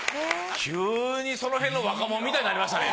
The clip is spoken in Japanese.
急にその辺の若者みたいになりましたね。